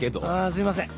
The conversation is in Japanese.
「すいません